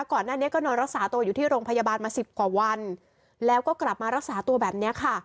ก่อนหน้านี้ก็นอนรักษาตัวอยู่ที่โรงพยาบาลมาสิบกว่าวันแล้วก็กลับมารักษาตัวแบบนี้ค่ะ